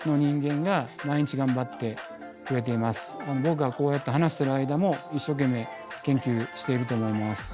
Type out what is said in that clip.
僕がこうやって話してる間も一生懸命研究していると思います。